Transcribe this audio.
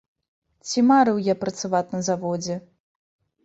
Ці марыў я працаваць на заводзе?